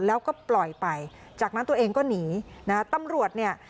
แล้วก็ปล่อยไปจากนั้นตัวเองก็หนีนะฮะตำรวจเนี่ย